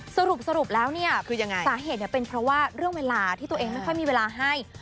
สรุปแล้วเนี่ยสาเหตุแรงเป็นเพราะว่าเรื่องเวลาที่ตัวเองไม่มีเวลาให้